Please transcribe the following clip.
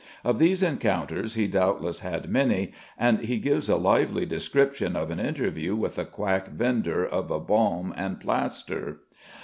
Of these encounters he doubtless had many, and he gives a lively description of an interview with a quack vendor of a balm and plaster.